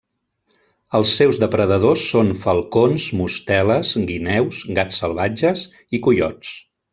Els seus depredadors són falcons, mosteles, guineus, gats salvatges i coiots.